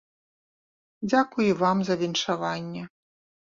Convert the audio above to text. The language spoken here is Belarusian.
Дзякуй і вам за віншаванне.